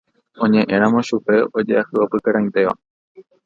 Oñeʼẽramo chupe ojeahyʼopykarãinteva.